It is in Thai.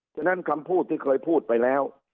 ฉะนั้นคำพูดที่เคยพูดไปแล้ว